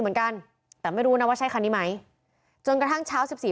เหมือนกันแต่ไม่รู้นะว่าใช่คันนี้ไหมจนกระทั่งเช้าสิบสี่